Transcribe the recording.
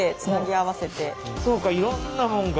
そうかいろんなものが。